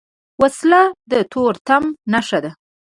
وسله د تورتم نښه ده